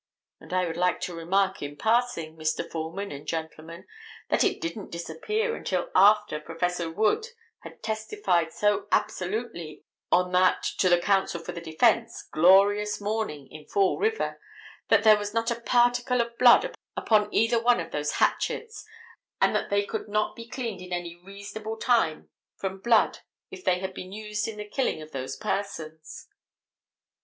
And I would like to remark in passing, Mr. Foreman and gentlemen, that it didn't disappear until after Prof. Wood had testified so absolutely on that, to the counsel for the defense, glorious morning in Fall River, that there was not a particle of blood upon either one of those hatchets, and that they could not be cleaned in any reasonable time from blood if they had been used in killing those persons.